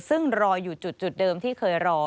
ซึ่งรออยู่จุดเดิมที่เคยรอ